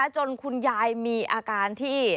จนคุณยายมีอาการที่